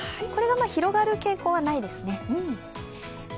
これが広がる傾向はないですね。